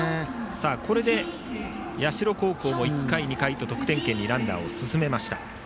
これで社高校も１回、２回と得点圏にランナーを進めました。